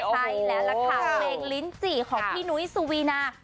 ไปแล้วละค่ะเหมือนลินจี้ของพี่นุ้ยสุวินา